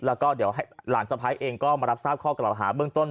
แล้วก็เดี๋ยวหลานสะพ้ายเองก็มารับทราบข้อกล่าวหาเบื้องต้น